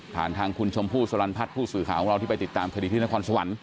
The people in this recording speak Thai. ทางคุณชมพู่สลันพัฒน์ผู้สื่อข่าวของเราที่ไปติดตามคดีที่นครสวรรค์